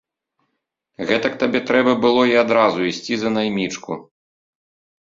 Гэтак табе трэба было і адразу ісці за наймічку!